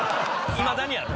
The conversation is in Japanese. いまだにある。